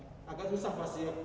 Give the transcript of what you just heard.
agak susah pak sih